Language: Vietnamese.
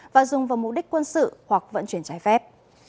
và dùng vào mục đích quân sự hoặc vận chuyển trái phép